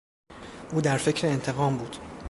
او در فکر انتقام بود.